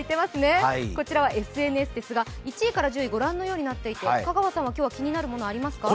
こちらはＳＮＳですが１位から１０位、ご覧のようになっていて香川さんは、今日、気になるものはありますか？